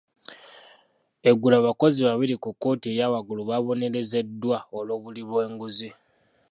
Eggulo abakozi babiri ku kkooti eya waggulu baabonerezeddwa olw'obuli bw'enguzi.